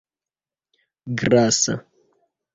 grasa